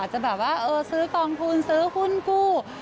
จะแบบว่าซื้อกองทุนซื้อหุ้นกู้